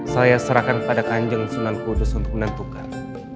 saya serahkan kepada kanjeng sunan kudus untuk menentukan